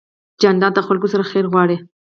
جانداد د خلکو سره خیر غواړي.